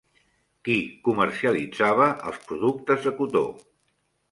Qui comercialitzava els productes de cotó?